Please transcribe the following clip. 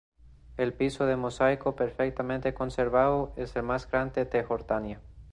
El piso de mosaico perfectamente conservado es el más grande de Jordania.